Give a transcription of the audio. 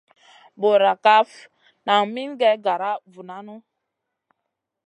Bur NDA ndo kaf nan min gue gara vu nanu.